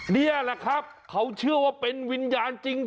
นี่แหละครับเขาเชื่อว่าเป็นวิญญาณจริง